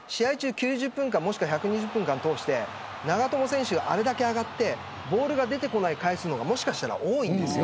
９０分間、もしくは１２０分間を通して長友選手があれだけ上がってボールが出てこない回数の方がもしかしたら多いんですよ。